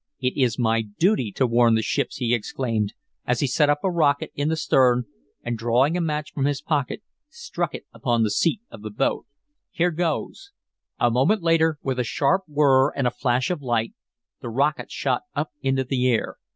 "It is my duty to warn the ships," he exclaimed, as he set a rocket up in the stern, and drawing a match from his pocket, struck it upon the seat of the boat. "Here goes!" A moment later, with a sharp whirr and a flash of light, the rocket shot up into the air.